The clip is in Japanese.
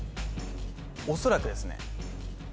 おそらくですね